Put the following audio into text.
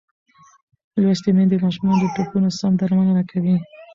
لوستې میندې د ماشومانو د ټپونو سم درملنه کوي.